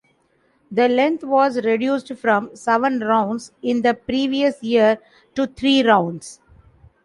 The length was reduced from seven rounds in the previous year to three rounds.